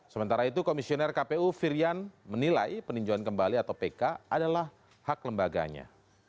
sementara itu komisioner kpu firian menilai peninjauan kembali atau pk adalah hak lembaganya